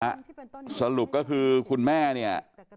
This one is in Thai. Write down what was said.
อะสรุปก็คือคุณแม่เนี่ย